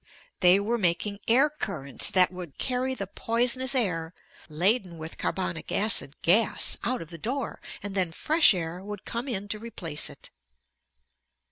They were making air currents that would carry the poisonous air, laden with carbonic acid gas, out of the door, and then fresh air would come in to replace it.